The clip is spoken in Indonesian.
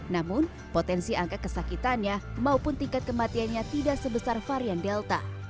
namun potensi angka kesakitannya maupun tingkat kematiannya tidak sebesar varian delta